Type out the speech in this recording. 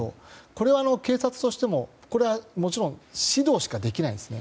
これは警察としてももちろん指導しかできないんですね。